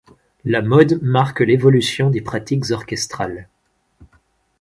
La mode marque l'évolution des pratiques orchestrales.